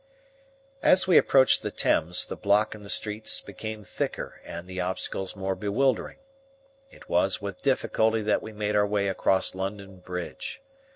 As we approached the Thames the block in the streets became thicker and the obstacles more bewildering. It was with difficulty that we made our way across London Bridge.